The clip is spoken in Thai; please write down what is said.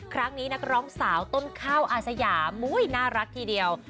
ครั้งนี้นักร้องสาวต้นข้าวอาสยามุยน่ารักทีเดียว